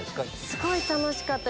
すごい楽しかった！